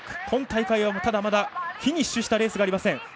今大会は、まだフィニッシュしたレースがありません。